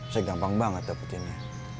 saya gampang banget dapetinnya